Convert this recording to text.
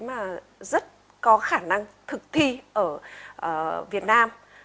mà rất có khả năng thực thi ở việt nam